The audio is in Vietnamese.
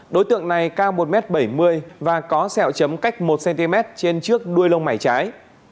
đối tượng này cao một m bảy mươi và có sẹo chấm cách một cm trên trước đuôi lông mày trái